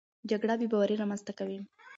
جګړه بېباوري رامنځته کوي.